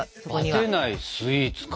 バテないスイーツか。